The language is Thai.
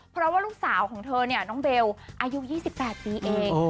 เพราะว่าลูกสาวของเธอเนี่ยน้องเบลอายุ๒๘ปีเอง